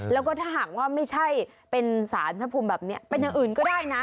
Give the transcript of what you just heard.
แล้วก็ถ้าหากว่าไม่ใช่เป็นสารพระภูมิแบบนี้เป็นอย่างอื่นก็ได้นะ